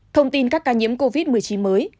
thông tin các ca nhiễm covid một mươi chín mới